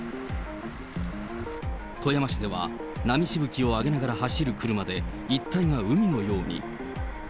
富山市では、波しぶきを上げながら走る車で一帯が海のように。